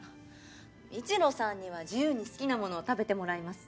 一路さんには自由に好きなものを食べてもらいます。